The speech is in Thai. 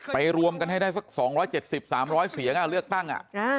รวมกันให้ได้สัก๒๗๐๓๐๐เสียงเลือกตั้ง